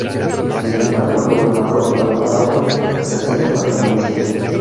Sin embargo el gobernador Alvarado presenta la renuncia.